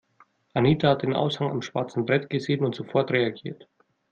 Anita hat den Aushang am schwarzen Brett gesehen und sofort reagiert.